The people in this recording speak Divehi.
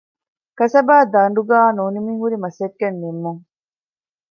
ކަސަބާދަނޑުގައި ނުނިމިހުރި މަސައްކަތް ނިންމުން